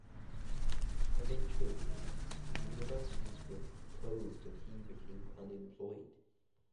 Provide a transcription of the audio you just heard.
Eventually the universities were closed and he became unemployed.